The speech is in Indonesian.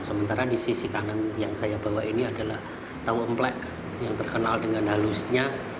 sementara di sisi kanan yang saya bawa ini adalah tau emplek yang terkenal dengan halusnya